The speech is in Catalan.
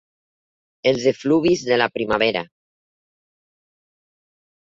Els efluvis de la primavera.